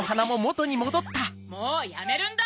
もうやめるんだ！